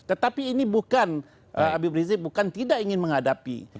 tetapi ini bukan habib rizik bukan tidak ingin menghadapi